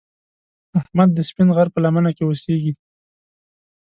احمد د سپین غر په لمنه کې اوسږي.